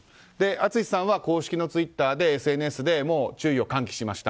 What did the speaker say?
淳さんは公式ツイッターＳＮＳで注意を喚起しました。